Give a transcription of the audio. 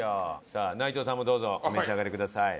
さあ内藤さんもどうぞお召し上がりください。